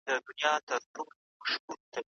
پر ژبپوهنه او ګرامر باندې هم باید څېړني وسي.